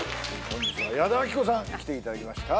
本日は矢田亜希子さん来ていただきました